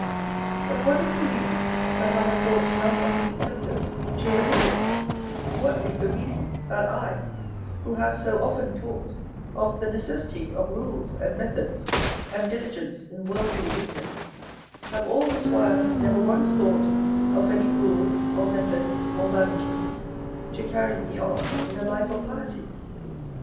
'' But what is the reason that 1 have brou«ht none of these tempers to religion: What is the reason that I, who have so often talked of the necessity of rules and methods, and dihgence in worldly business, have all this while never once thought of any rules, or me thods, or managements, to carry me on in a life of piety?